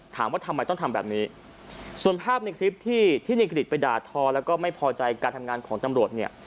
ถามว่าทำไมต้องทำแบบนี้ส่วนภาพในคลิปที่ที่ในกริจไปด่าทอแล้วก็ไม่พอใจการทำงานของตำรวจเนี่ย